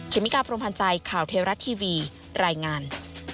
เมกาพรมพันธ์ใจข่าวเทวรัฐทีวีรายงาน